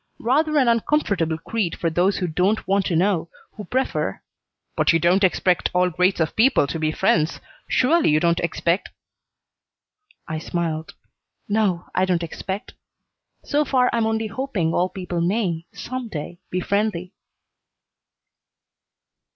Rather an uncomfortable creed for those who don't want to know, who prefer " "But you don't expect all grades of people to be friends? Surely you don't expect " I smiled. "No, I don't expect. So far I'm only hoping all people may, some day be friendly."